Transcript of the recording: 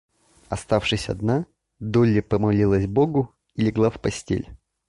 Оставшись одна, Долли помолилась Богу и легла в постель.